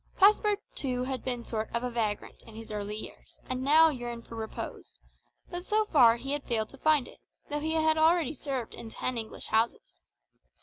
Passepartout had been a sort of vagrant in his early years, and now yearned for repose; but so far he had failed to find it, though he had already served in ten English houses.